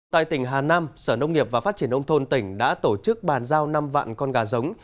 tại tỉnh hà nam sở nông nghiệp và phát triển nông thôn tỉnh đã tổ chức bàn giao năm vạn con gà giống